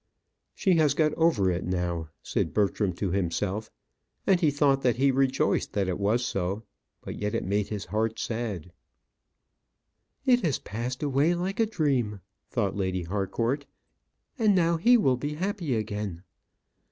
"She has got over it now," said Bertram to himself; and he thought that he rejoiced that it was so. But yet it made his heart sad. It has passed away like a dream, thought Lady Harcourt; and now he will be happy again.